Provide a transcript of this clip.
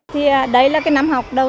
thì đấy là cái nắm học đâu